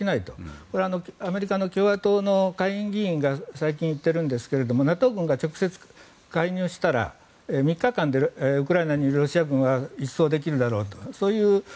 これはアメリカの共和党の下院議員が最近言っているんですがＮＡＴＯ軍が直接介入したら３日間ウクライナにいるロシア軍を一掃できるだろうと。